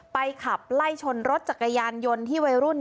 ขับไล่ชนรถจักรยานยนต์ที่วัยรุ่น